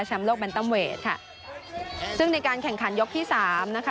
โลกแนนตัมเวทค่ะซึ่งในการแข่งขันยกที่สามนะคะ